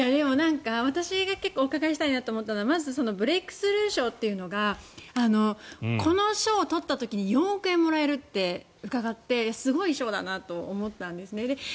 私がお伺いしたいと思ったのはブレークスルー賞というのはこの賞を取った時に４億円もらえると伺ってすごい賞だなと思ったんですね。